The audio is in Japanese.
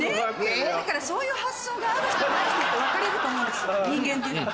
だからそういう発想がある人とない人と分かれると思うんです人間というのは。